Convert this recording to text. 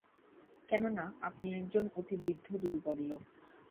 কেননা, আপনি একজন অতি বৃদ্ধ দুর্বল লোক।